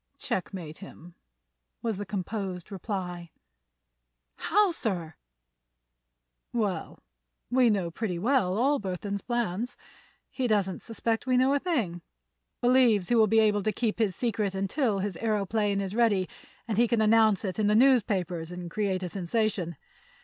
"Checkmate him," was the composed reply. "How, sir?" "Well, we know pretty well all Burthon's plans. He doesn't suspect we know a thing; believes he will be able to keep his secret until his aëroplane is ready and he can announce it in the newspapers and create a sensation.